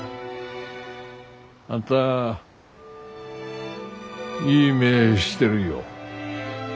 あんたいい目してるよ。